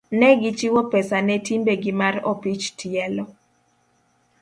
ne gichiwo pesa ne timbegi mar opich tielo.